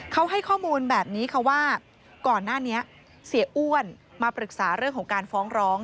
เขาให้ข้อมูลแบบนี้ค่ะว่าก่อนหน้านี้เสียอ้วนมาปรึกษาเรื่องของการฟ้องร้อง